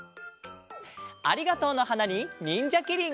「ありがとうの花」に「にんじゃきりん」。